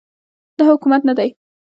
دا حکومت نه دی